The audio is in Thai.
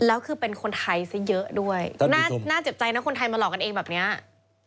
แล้วคือเป็นคนไทยซะเยอะด้วยน่าเจ็บใจนะคนไทยมาหลอกกันเองแบบเนี้ย